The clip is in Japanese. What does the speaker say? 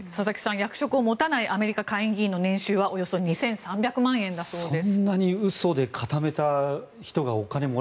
役職を持たないアメリカ下院議員の年収はおよそ２３００万円だそうです。